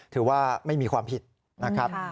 ถือว่าไม่มีความผิดนะครับ